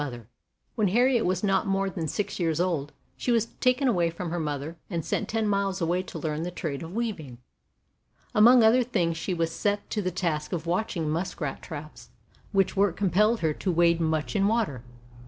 27 28 WOMEN OF ACHIEVEMENT When Harriet was not more than six years old she was taken away from her mother and sent ten miles away to learn the trade of weaving. Among other things she was set to the task of watching muskrat traps, which work compelled her to wade much in water.